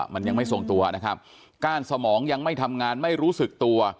มันยังไม่ส่งตัวนะครับก้านสมองยังไม่ทำงานไม่รู้สึกตัว